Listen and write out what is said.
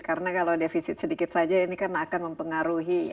karena kalau defisit sedikit saja ini kan akan mempengaruhi